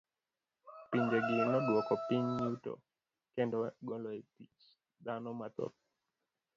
Pinje gi noduoko piny yuto kendo golo e tich dhano mathoth.